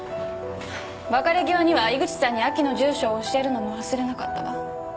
別れ際には井口さんに亜希の住所を教えるのも忘れなかったわ。